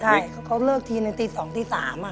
ใช่เขาเลิกทีนึงตี๒ตี๓